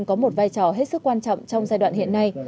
có một vai trò hết sức quan trọng trong giai đoạn hiện nay